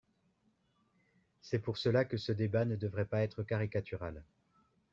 C’est pour cela que ce débat ne devrait pas être caricatural.